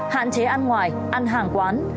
hạn chế ăn ngoài ăn hàng quán